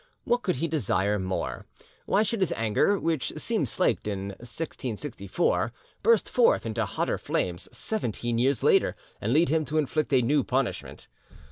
What could he desire more? Why should his anger, which seemed slaked in 1664, burst forth into hotter flames seventeen years later, and lead him to inflict a new punishment?